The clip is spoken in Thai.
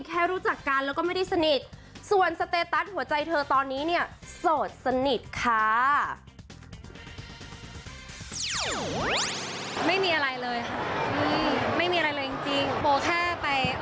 แค่รู้จักกันแล้วก็ไม่ได้สนิทส่วนสเตตัสหัวใจเธอตอนนี้เนี่ยโสดสนิทค่ะ